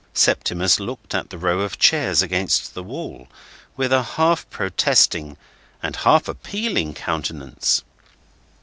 '" Septimus looked at the row of chairs against the wall, with a half protesting and half appealing countenance.